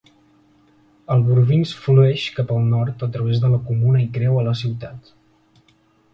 El Bourbince flueix cap al nord a través de la comuna i creua la ciutat.